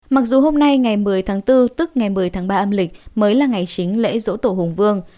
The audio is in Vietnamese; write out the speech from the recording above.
mặc dù hôm nay ngày một mươi tháng bốn tức ngày một mươi tháng ba âm lịch mới là ngày chính lễ dỗ tổ hùng vương